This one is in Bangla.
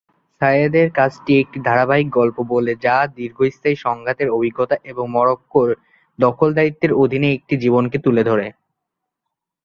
সায়েদ এর কাজটি একটি ধারাবাহিক গল্প বলে, যা দীর্ঘস্থায়ী সংঘাতের অভিজ্ঞতা এবং মরোক্কোর দখলদারিত্বের অধীনে একটি জীবনকে তুলে ধরে।